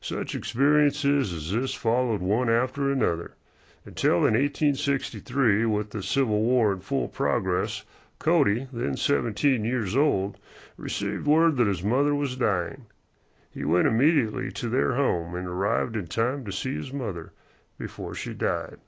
Such experiences as this followed one after another, until in 1863, with the Civil War in full progress, Cody, then seventeen years old, received word that his mother was dying. He went immediately to their home, and arrived in time to see his mother before she died.